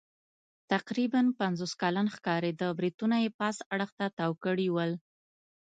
تقریباً پنځوس کلن ښکارېده، برېتونه یې پاس اړخ ته تاو کړي ول.